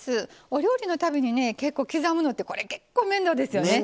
お料理のたびに結構刻むのってこれ結構面倒ですよね。